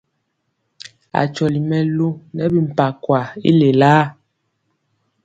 Akyɔli mɛluŋ nɛ bimpakwa i lelaa.